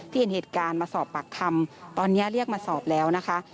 เห็นเหตุการณ์มาสอบปากคำตอนนี้เรียกมาสอบแล้วนะคะ